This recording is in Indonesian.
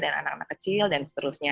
dan anak anak kecil dan seterusnya